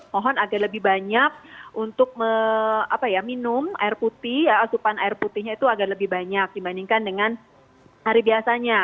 mohon agar lebih banyak untuk minum air putih asupan air putihnya itu agar lebih banyak dibandingkan dengan hari biasanya